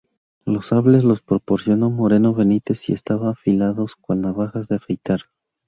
Los sables los proporcionó Moreno Benítez y estaban afilados cual navajas de afeitar.